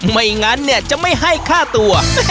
ไม่งั้นเนี่ยจะไม่ให้ฆ่าตัว